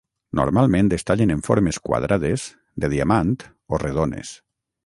Normalment es tallen en formes quadrades, de diamant o redones.